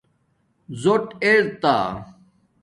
زݸٹ ارتا